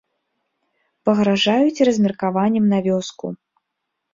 Пагражаюць размеркаваннем на вёску.